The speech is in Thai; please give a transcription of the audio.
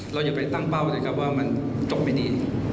เราอย่าไปตั้งเป้าเลยครับว่ามันตกไม่ดี